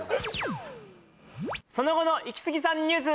その後のイキスギさんニュース！